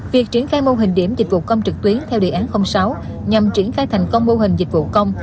việc triển khai mô hình điểm dịch vụ công trực tuyến theo đề án sáu nhằm triển khai thành công mô hình dịch vụ công